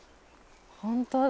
本当だ。